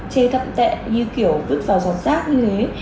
chê thậm tệ như kiểu vứt vào giọt rác như thế